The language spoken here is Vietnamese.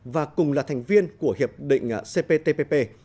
và cùng là thành viên của hiệp định cptpp